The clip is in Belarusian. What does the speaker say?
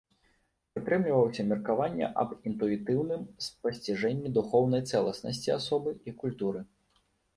Прытрымліваўся меркавання аб інтуітыўным спасціжэнні духоўнай цэласнасці асобы і культуры.